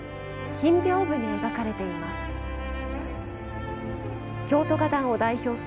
金びょうぶに描かれています。